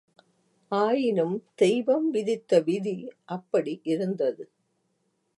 ஆயினும் தெய்வம் விதித்த விதி அப்படியிருந்தது.